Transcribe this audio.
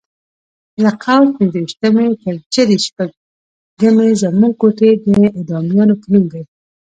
له قوس پنځه ویشتمې تر جدي شپږمې زموږ کوټې د اعدامیانو په نوم وې.